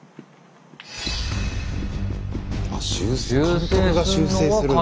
監督が修正するんだ。